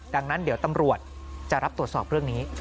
ดังนั้นเดี๋ยวตำรวจจะรับตรวจสอบเรื่องนี้